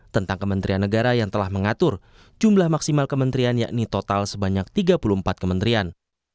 tentang kementerian negara yang telah mengatur jumlah maksimal kementerian yakni total sebanyak tiga puluh empat kementerian